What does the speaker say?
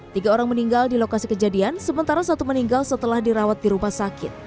tiga orang meninggal di lokasi kejadian sementara satu meninggal setelah dirawat di rumah sakit